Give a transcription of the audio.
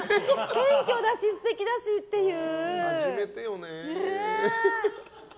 謙虚だし、素敵だしっていう。